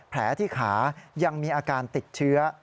แผลที่ขายังมีอาการติดเชื้อ